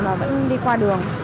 mà vẫn đi qua đường